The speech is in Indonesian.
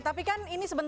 itu kan himbuan mbak